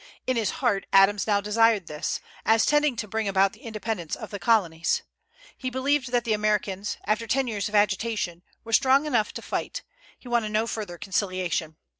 In his heart Adams now desired this, as tending to bring about the independence of the Colonies. He believed that the Americans, after ten years of agitation, were strong enough to fight; he wanted no further conciliation.